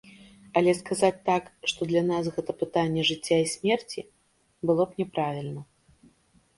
Але сказаць так, што для нас гэта пытанне жыцця і смерці, было б няправільна.